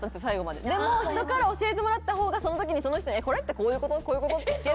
でも人から教えてもらったほうがその時にその人に「これってこういうこと？こういうこと？」って聞けるから。